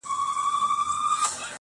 هله به اور د اوبو غاړه کي لاسونه تاؤ کړي